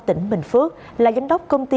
tỉnh bình phước là gánh đốc công ty